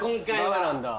ダメなんだ。